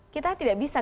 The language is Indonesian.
kita tidak bisa